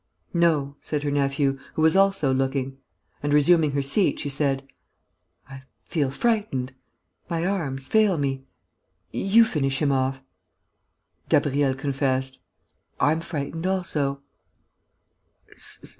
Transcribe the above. "No," said her nephew, who was also looking. And, resuming her seat, she said: "I feel frightened ... my arms fail me ... you finish him off...." Gabriel confessed: "I'm frightened also."